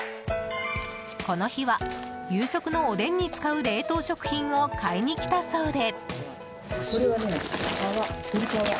この日は、夕食のおでんに使う冷凍食品を買いに来たそうで。